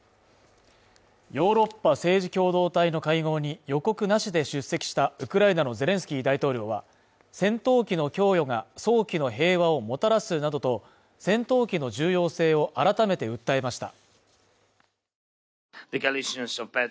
ヨーロッパ政治共同体の会合に予告なしで出席したウクライナのゼレンスキー大統領は戦闘機の供与が、早期の平和をもたらすなどと、戦闘機の重要性を改めて訴えました。